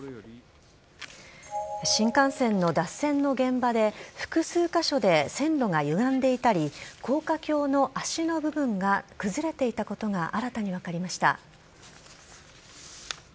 新幹線の脱線の現場で複数箇所で線路がゆがんでいたり高架橋の脚の部分が崩れていたことが新たに分かりました。